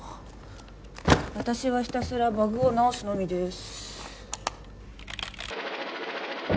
私はひたすらバグを直すのみです